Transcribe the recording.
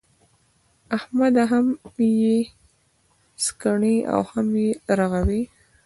احمده! هم يې سڼکې او هم يې رغوې.